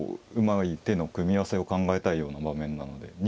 うまい手の組み合わせを考えたいような場面なので。